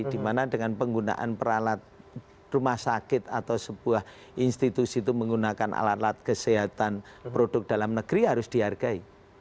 dimana dengan penggunaan peralat rumah sakit atau sebuah institusi itu menggunakan alat alat kesehatan produk dalam negeri harus dihargai